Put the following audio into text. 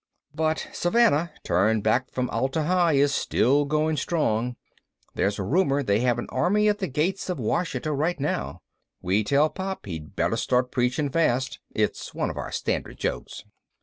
But Savannah, turned back from Atla Hi, is still going strong: there's a rumor they have an army at the gates of Ouachita right now. We tell Pop he'd better start preaching fast it's one of our standard jokes.